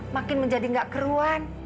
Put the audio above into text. makin menjadi nggak keruan